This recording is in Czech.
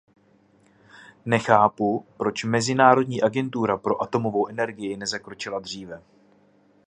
Nechápu, proč Mezinárodní agentura pro atomovou energii nezakročila dříve.